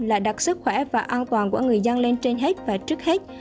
là đặt sức khỏe và an toàn của người dân lên trên hết và trước hết